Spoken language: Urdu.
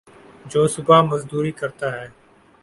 جو صبح مزدوری کرتا ہے